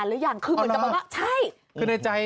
มึงจะบอกว่าใช่